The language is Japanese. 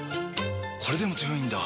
これでも強いんだ！